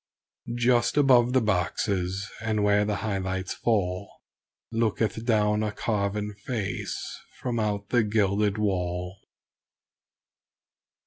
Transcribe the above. (Just above the boxes and where the high lights fall Looketh down a carven face from out the gilded wall.)